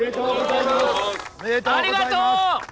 ありがとう！